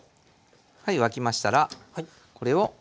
はい沸きましたらこれを。